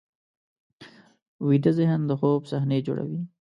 ویده ذهن د خوب صحنې جوړوي